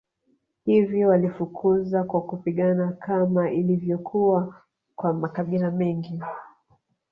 Hivyo waliwafukuza kwa kupigana kama ilivyokuwa kwa makabila mengi